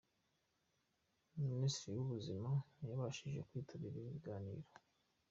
Minisiteri y’Ubuzima ntiyabashije kwitabira ibi biganiro.